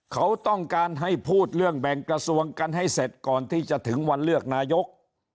เขาต้องการให้พูดเรื่องแบ่งกระทรวงกันให้เสร็จก่อนที่จะถึงวันเลือกนายก